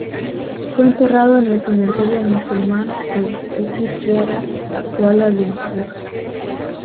Fue enterrado en el cementerio musulmán de Bukit Kiara, Kuala Lumpur.